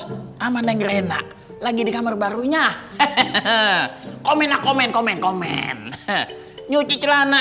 sama neng grena lagi di kamar barunya heheheh komentar komen komen komen komen nyuci celana